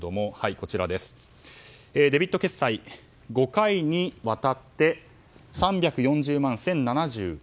デビット決済５回にわたって３４０万１０７１円。